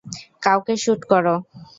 কাউকে শ্যুট করো।